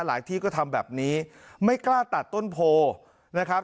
ที่ก็ทำแบบนี้ไม่กล้าตัดต้นโพนะครับ